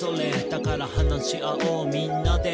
「だから話し合おうみんなで」